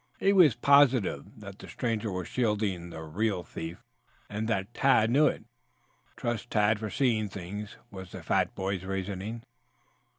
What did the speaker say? He was positive that the stranger was shielding the real thief, and that Tad knew it. "Trust Tad for seeing things," was the fat boy's reasoning.